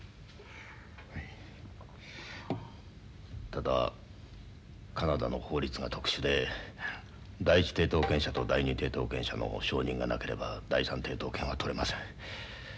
ただカナダの法律が特殊で第一抵当権者と第二抵当権者の承認がなければ第三抵当権は取れません。